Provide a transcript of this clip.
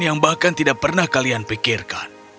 yang bahkan tidak pernah kalian pikirkan